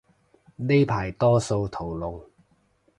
呢排多數屠龍